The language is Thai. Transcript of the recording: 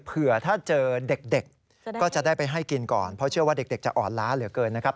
เผื่อถ้าเจอเด็กก็จะได้ไปให้กินก่อนเพราะเชื่อว่าเด็กจะอ่อนล้าเหลือเกินนะครับ